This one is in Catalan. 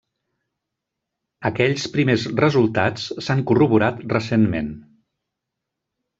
Aquells primers resultats s'han corroborat recentment.